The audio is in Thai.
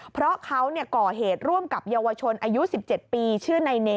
เพราะเขาก่อเหตุร่วมกับเยาวชนอายุ๑๗ปีชื่อนายเน